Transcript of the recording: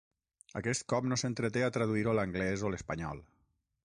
Aquest cop no s'entreté a traduir-ho a l'anglès o l'espanyol.